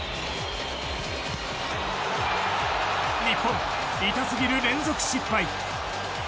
日本、痛すぎる連続失敗。